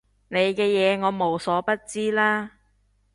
你嘅嘢我無所不知啦